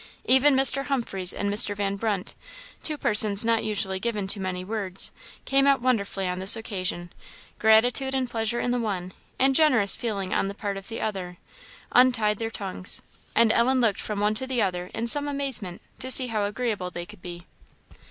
Even Mr. Humphreys and Mr. Van Brunt, two persons not usually given to many words, came out wonderfully on this occasion; gratitude and pleasure in the one, and generous feeling on the part of the other, untied their tongues; and Ellen looked from one to the other in some amazement, to see how agreeable they could be.